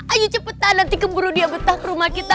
ayo cepetan nanti keburu dia betah ke rumah kita